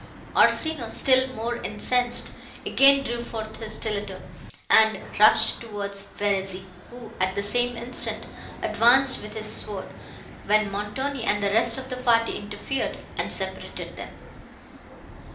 Orsino, still more incensed, again drew forth his stilletto, and rushed towards Verezzi, who, at the same instant, advanced with his sword, when Montoni and the rest of the party interfered and separated them.